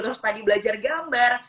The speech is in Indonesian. terus tadi belajar gambar